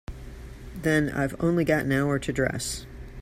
Then I've only got an hour to dress.